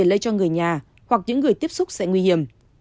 lây cho người nhà hoặc những người tiếp xúc sẽ nguy hiểm